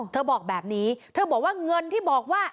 เธอบอกแบบนี้เธอบอกว่าเงินที่บอกว่า